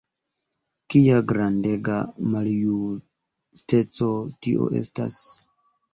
Kia grandega maljusteco tio estas!